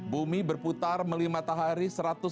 bumi berputar melima tahari